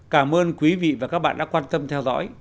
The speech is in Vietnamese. cảm ơn quý vị và các bạn đã quan tâm theo dõi